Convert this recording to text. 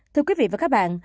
thưa quý vị và các bạn